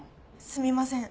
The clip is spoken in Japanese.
すみません。